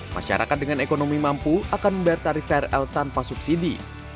masyarakat dengan ekonomi mampu akan membayar tarif krl tanpa subsidi